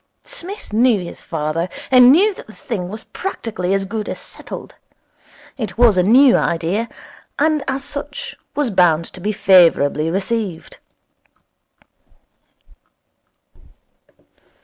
Psmith knew his father, and he knew that the thing was practically as good as settled. It was a new idea, and as such was bound to be favourably received.